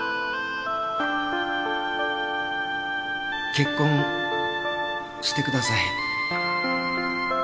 結婚してください。